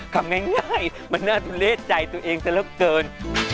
คำง่ายมันน่าเละใจตัวเองซะเหลือเกิน